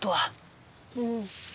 うん。